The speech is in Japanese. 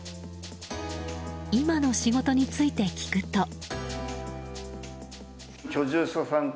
今の仕事について聞くと。